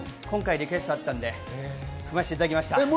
今回、リクエストあったんで踏ませていただきました。